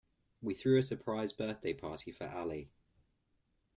We threw a surprise birthday party for Ali.